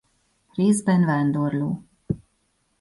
Részben vándorló.